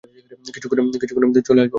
কিছুক্ষণের মধ্যে চলে আসবে।